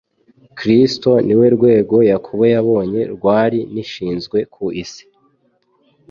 Kristo ni we rwego Yakobo yabonye rwari nishinzwe ku isi,